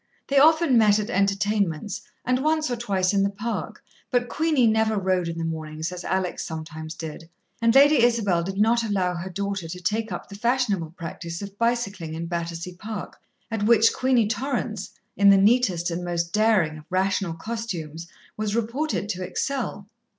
They often met at entertainments, and once or twice in the Park, but Queenie never rode in the mornings, as Alex sometimes did, and Lady Isabel did not allow her daughter to take up the fashionable practice of bicycling in Battersea Park, at which Queenie Torrance, in the neatest and most daring of rational costumes, was reported to excel.